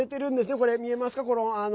これ見えますか？